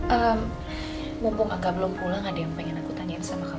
eh mumpung agak belum pulang ada yang pengen aku tanyain sama kamu